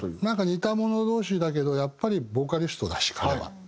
なんか似た者同士だけどやっぱりボーカリストだし彼は。